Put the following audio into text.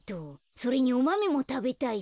それにおマメもたべたいし。